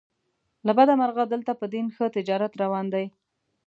له بده مرغه دلته په دین ښه تجارت روان دی.